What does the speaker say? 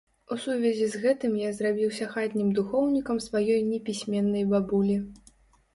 У сувязі з гэтым я зрабіўся хатнім духоўнікам сваёй непісьменнай бабулі.